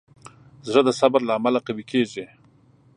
زړه د صبر له امله قوي کېږي.